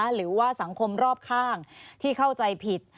หรือว่าสังคมรอบข้างที่เข้าใจผิด